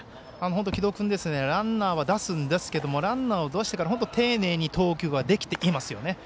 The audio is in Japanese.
城戸君ランナーは出すんですけどもランナーを出してから本当に丁寧に投球できてますよね。